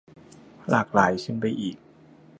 หลากหลายขึ้นไปอีก